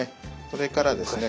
それからですね